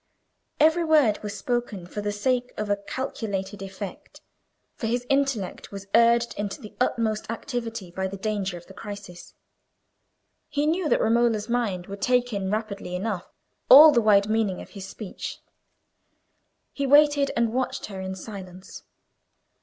Every word was spoken for the sake of a calculated effect, for his intellect was urged into the utmost activity by the danger of the crisis. He knew that Romola's mind would take in rapidly enough all the wide meaning of his speech. He waited and watched her in silence.